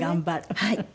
はい。